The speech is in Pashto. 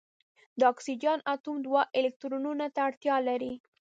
د اکسیجن اتوم دوه الکترونونو ته اړتیا لري.